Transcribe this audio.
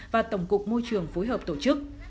và tổng cục môi trường phối hợp tổ chức